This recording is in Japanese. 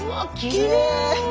きれい！